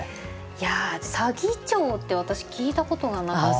いや「左義長」って私聞いたことがなくて。